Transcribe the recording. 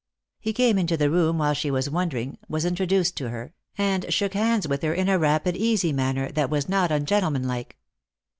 He came into the room while she was wondering, was intro duced to her, and shook hands with her in a rapid easy manner that was not ungentlemanlike.